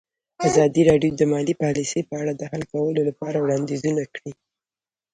ازادي راډیو د مالي پالیسي په اړه د حل کولو لپاره وړاندیزونه کړي.